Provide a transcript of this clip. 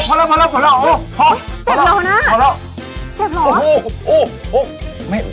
ถึงคราวพระเอกของเราแล้ว